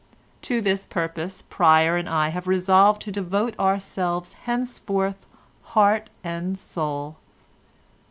To this purpose Pryer and I have resolved to devote ourselves henceforth heart and soul.